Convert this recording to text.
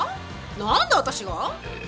何で私が？